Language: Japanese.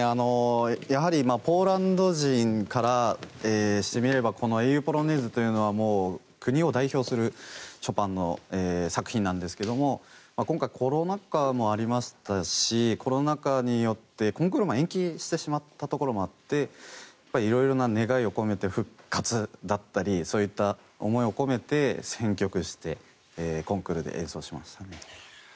ポーランド人からしてみればこの「英雄ポロネーズ」というのは国を代表するショパンの作品なんですけども今回、コロナ禍もありましたしコロナ禍によってコンクールも延期してしまったところがあって色々な願いを込めて復活だったりそういった思いを込めて選曲してコンクールで演奏しました。